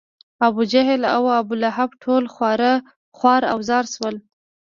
ابوجهل او ابولهب ټول خوار و زار شول.